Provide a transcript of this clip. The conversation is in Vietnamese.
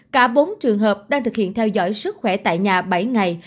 cả bốn trường hợp đang thực hiện theo dõi sức khỏe tại nhà bảy ngày